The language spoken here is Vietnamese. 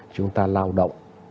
chúng ta lao động